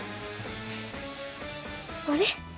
あれ？